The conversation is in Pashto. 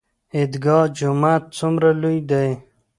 عیدګاه جومات څومره لوی دی؟